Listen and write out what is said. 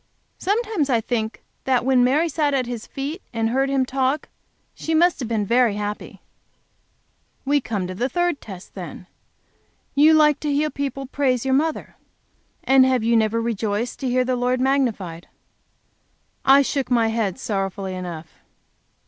Sometimes I think that when Mary sat at His feet and heard Him talk, she must have been very happy." "We come to the third test, then. You like to hear people praise your mother. And have you ever rejoiced to hear the Lord magnified?" I shook my head sorrowfully enough.